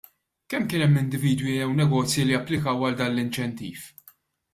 Kemm kien hemm individwi jew negozji li applikaw għal dan l-inċentiv?